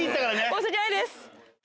申し訳ないです。